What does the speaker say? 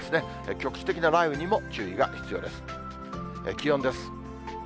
局地的な雷雨にも注意が必要です。